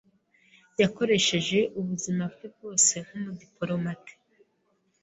Yakoresheje ubuzima bwe bwose nkumudipolomate.